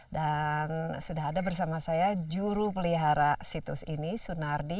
dan sudah ada bersama saya juru pelihara situs ini sunardi